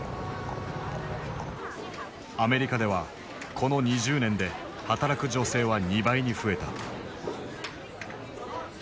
アメリカではこの２０年で働く女性は２倍に増えた。